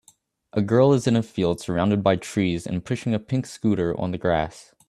A girl is in a field surrounded by trees and pushing a pink scooter on the grass